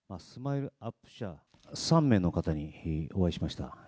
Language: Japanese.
３名の方にお会いしました。